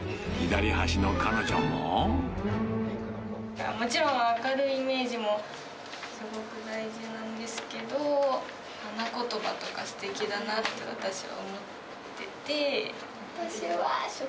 もちろん、明るいイメージもすごく大事なんですけど、花言葉とか、すてきだなって、私は思ってて。